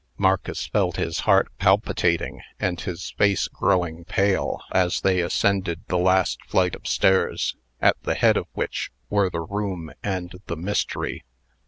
Marcus felt his heart palpitating, and his face growing pale, as they ascended the last flight of stairs, at the head of which were the room and the mystery.